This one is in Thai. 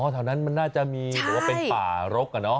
อ๋อแถวนั้นมันน่าจะมีหรือว่าเป็นป่ารกอะเนอะ